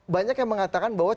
banyak yang mengatakan bahwa